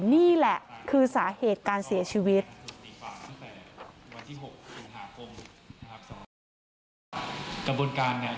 นี่แหละคือสาเหตุการเสียชีวิต